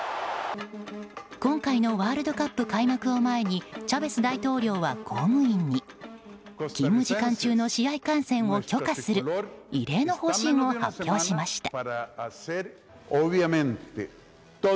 今回のワールドカップ開幕を前にチャベス大統領は公務員に勤務時間中の試合観戦を許可する異例の方針を発表しました。